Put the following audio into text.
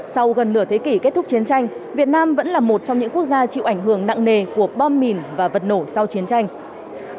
sau gần nửa thế kỷ kết thúc chiến tranh việt nam vẫn là một trong những quốc gia chịu ảnh hưởng nặng nề của bom mìn và vật nổ sau chiến tranh